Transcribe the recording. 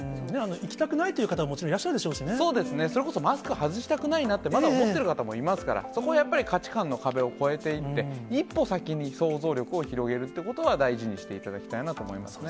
行きたくないという方ももちそうですね、それこそマスク外したくないなって、まだ思ってる方もいますから、そこはやっぱり価値観の壁を越えていって、一歩先に想像力を広げるってことは、大事にしていただきたいなと思いますね。